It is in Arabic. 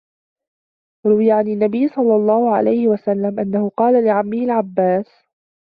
رُوِيَ عَنْ النَّبِيِّ صَلَّى اللَّهُ عَلَيْهِ وَسَلَّمَ أَنَّهُ قَالَ لِعَمِّهِ الْعَبَّاسِ